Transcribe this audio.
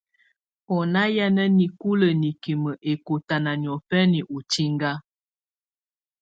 Ɔ na ya na nikulə nikimə ɛkɔtana niɔfɛna ɔ tsinga.